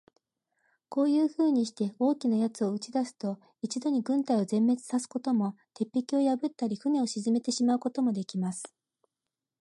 こういうふうにして、大きな奴を打ち出すと、一度に軍隊を全滅さすことも、鉄壁を破ったり、船を沈めてしまうこともできます。